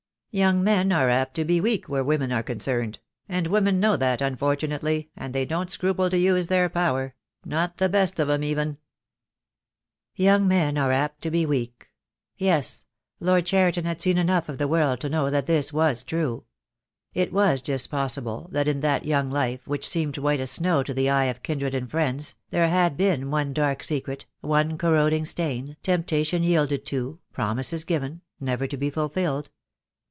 "Young men are apt to be weak where women are concerned; I I 8 THE DAY WILL COME. and women know that, unfortunately, and they don't scruple to use their power ; not the best of 'em even." Young men are apt to be weak. Yes, Lord Cheriton had seen enough of the world to know that this was true. It was just possible that in that young life, which seemed white as snow to the eye of kindred and friends, there had been one dark secret, one corroding stain, temptation yielded to, promises given — never to be fulfilled.